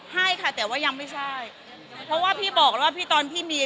ให้ค่ะแต่ว่ายังไม่ใช่เพราะว่าพี่บอกแล้วว่าพี่ตอนพี่มี